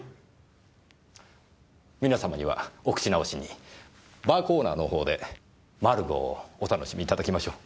皆様にはお口直しにバーコーナーのほうで「マルゴー」をお楽しみいただきましょう。